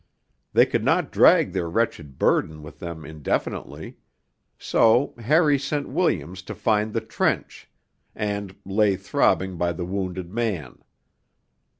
They could not drag their wretched burden with them indefinitely; so Harry sent Williams to find the trench, and lay throbbing by the wounded man.